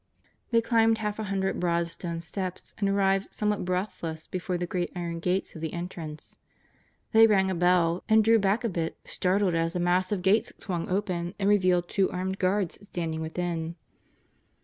They climbed half a hundred broad stone steps and arrived somewhat breathless before the great iron gates of the entrance. They rang a bell, and drew back a bit startled as the massive gates swung open and revealed two armed guards standing within.